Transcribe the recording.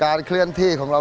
kita tidak perlu bergerak